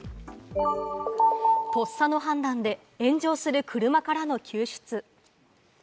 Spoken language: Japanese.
とっさの判断で、炎上する車からの救出。